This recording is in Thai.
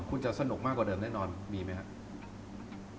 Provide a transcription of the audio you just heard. คุณจะสนุกมากกว่าเดิมแน่นอนมีไหมครับ